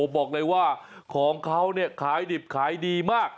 บอกเลยว่าของเขาขายดิบขายดีมาก